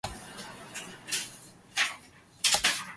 千葉県大網白里市